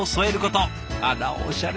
あらおしゃれ。